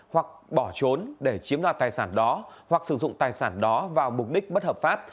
hoặc bỏ trốn để chiếm đoạt tài sản đó hoặc sử dụng tài sản đó vào mục đích bất hợp pháp